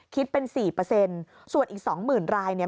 คิดเป็น๔ส่วนอีก๒๐๐๐๐รายเนี่ย